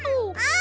あ！